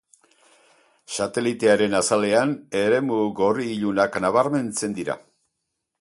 Satelitearen azalean eremu gorri ilunak nabarmentzen dira.